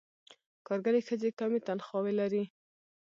کارګرې ښځې کمې تنخواوې لري.